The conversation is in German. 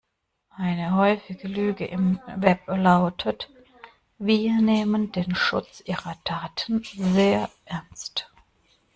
Eine häufige Lüge im Web lautet: Wir nehmen den Schutz Ihrer Daten sehr ernst.